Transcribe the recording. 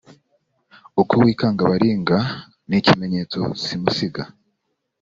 Uko kwikanga baringa, Ni ikimenyetso simusiga,